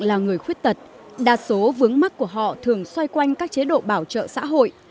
là người khuyết tật đa số vướng mắt của họ thường xoay quanh các chế độ bảo trợ xã hội